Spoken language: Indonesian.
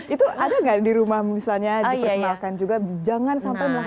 itu ada nggak di rumah misalnya diperkenalkan juga jangan sampai melakukan